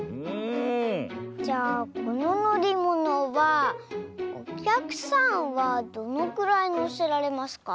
じゃあこののりものはおきゃくさんはどのくらいのせられますか？